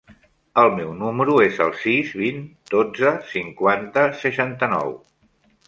El meu número es el sis, vint, dotze, cinquanta, seixanta-nou.